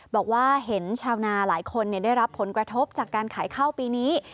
บอกว่าเห็นชาวนาหลายคนได้รับผลกระทบจากการขายข้าวปีนี้